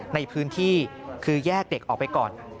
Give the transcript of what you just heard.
ในพื้นที่คือแยกเด็กออกไปก่อน